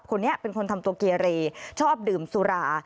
คนนี้เป็นคนทำตัวเกเรชอบดื่มสุรา